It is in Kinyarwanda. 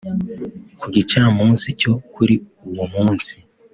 Ku gicamunsi cyo kuri uwo munsi